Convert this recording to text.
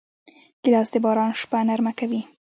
ګیلاس د باران شپه نرمه کوي.